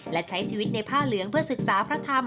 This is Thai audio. และใช้ชีวิตในผ้าเหลืองเพื่อศึกษาพระธรรม